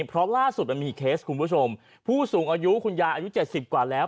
เพราะล่าสุดมันมีเคสคุณผู้ชมผู้สูงอายุคุณยายอายุ๗๐กว่าแล้ว